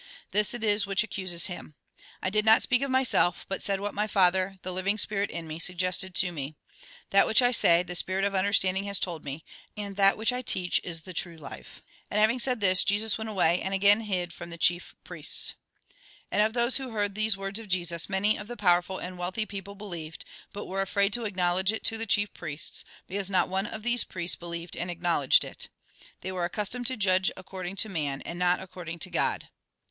This it is which accuses him. I did not speak of myself, but said what my Father, the living spirit in me, sug gested to me. That which I say, the spirit of understanding has told me, and that which I teach is the true life.'' Jn. xii. 28. THE WARFARE WITH TEMPTATION 131 Jn. xii. 36. 43. Mt. xxvi, 3. 4. 5. 14. 15. And having said this, Jesus went away, and again hid from the chief priests. And of those who heard these words of Jesus, many of the powerful and wealthy people believed, but were afraid to acknowledge it to the chief priests, because not one of these priests believed and acknowledged it. They were accustomed to judge according to man, and not according to God.